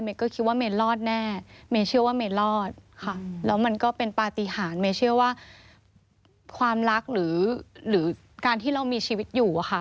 ก็คิดว่าเมย์รอดแน่เมยเชื่อว่าเมย์รอดค่ะแล้วมันก็เป็นปฏิหารเมย์เชื่อว่าความรักหรือการที่เรามีชีวิตอยู่อะค่ะ